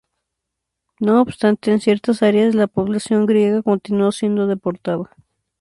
No obstante, en ciertas áreas la población griega continuó siendo deportada.